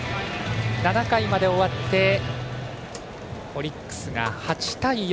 ７回まで終わってオリックスが８対４。